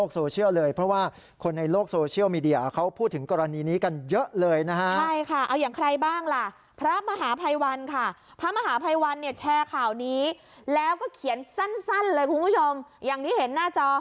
สั้นเลยคุณผู้ชมอย่างที่เห็นหน้าจอ